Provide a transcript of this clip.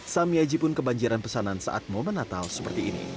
samiaji pun kebanjiran pesanan saat momen natal seperti ini